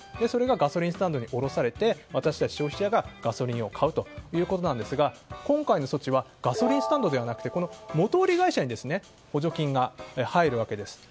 それがガソリンスタンドに卸され私たち消費者がガソリンを買うということなんですが今回の措置はガソリンスタンドではなく元売り会社に補助金が入ります。